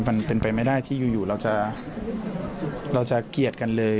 มันเป็นไปไม่ได้ที่อยู่เราจะเกลียดกันเลย